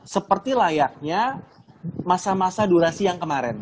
seperti layaknya masa masa durasi yang kemarin